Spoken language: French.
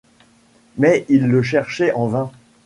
Mais ils le cherchaient en vain.